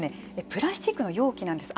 プラスチックの容器なんです。